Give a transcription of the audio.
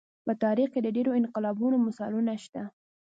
په تاریخ کې د ډېرو انقلابونو مثالونه شته.